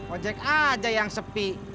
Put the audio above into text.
ojek aja yang sepi